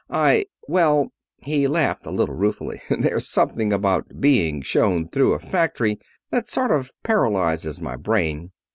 I well," he laughed a little ruefully, "there's something about being shown through a factory that sort of paralyzes my brain.